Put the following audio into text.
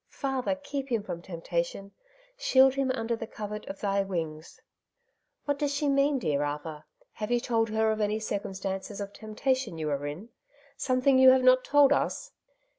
Father, keep him from temptation ; shield him under the covert of thy wings !^ What does she mean, dear Arthur? Have you told her of any circumstances of tempta tion you are in ? something you have not told us